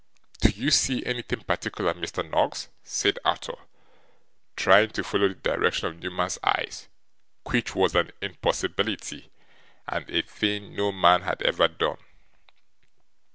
'Do you see anything particular, Mr. Noggs?' said Arthur, trying to follow the direction of Newman's eyes which was an impossibility, and a thing no man had ever done.